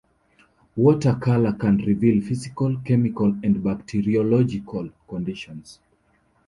Water color can reveal physical, chemical and bacteriological conditions.